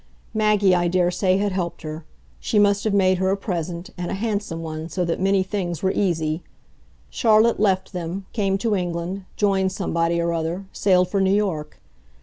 Maggie, I daresay, had helped her; she must have made her a present, and a handsome one, so that many things were easy. Charlotte left them, came to England, 'joined' somebody or other, sailed for New York.